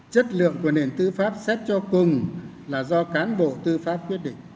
chất lượng của nền tư pháp xét cho cùng là do cán bộ tư pháp quyết định